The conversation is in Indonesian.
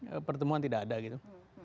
ya pertemuan tidak ada gitu